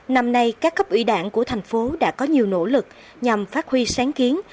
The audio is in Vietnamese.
năm nay các cấp ủy đảng của thành phố đã có nhiều nỗ lực nhằm phát huy sáng kiến